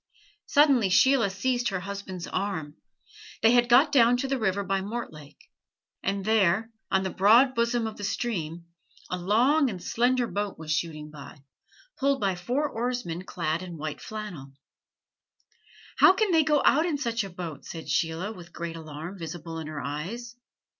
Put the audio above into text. Suddenly Sheila seized her husband's arm. They had got down to the river by Mortlake; and there, on the broad bosom of the stream, a long and slender boat was shooting by, pulled by four oarsmen clad in white flannel. "How can they go out in such a boat?" said Sheila, with great alarm visible in her eyes.